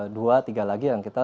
dua tiga lagi yang kita